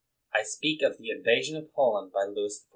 I speak of the invasion of Holland by Louis XIV.